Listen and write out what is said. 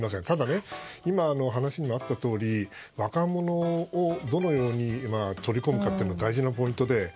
ただ、今話にあったように若者をどのように取り込むかというのは大事なポイントで。